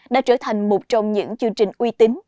đã trở thành một trong những chương trình uy tín